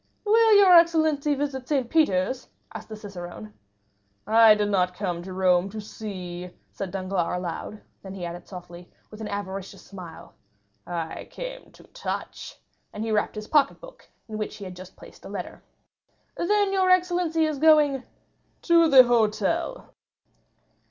"Will your excellency visit Saint Peter's?" asked the cicerone. "I did not come to Rome to see," said Danglars aloud; then he added softly, with an avaricious smile, "I came to touch!" and he rapped his pocket book, in which he had just placed a letter. "Then your excellency is going——" "To the hotel."